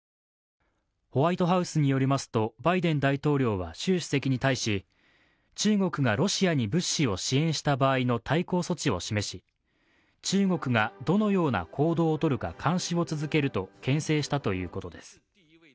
ホワイトハウスによりますと、バイデン大統領は習主席に対し、中国がロシアに物資を支援した場合の対抗措置を示し中国がどのような行動をとるか監視を続けるとけん制したということです。